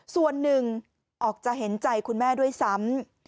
ส่วนหนึ่งออกจะเห็นใจคุณแม่ด้วยซ้ำ